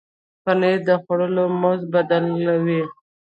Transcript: پنېر د خواړو مزه بدله کوي.